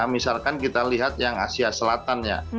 misalkan kita lihat yang asia selatan ya